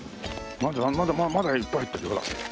まだまだいっぱい入ってるよほら。